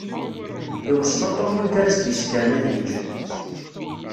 Iweṣṣa Tom yiwet ara s-d-isekren ad yečč.